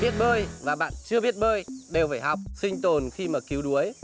biết bơi và bạn chưa biết bơi đều phải học sinh tồn khi mà cứu đuối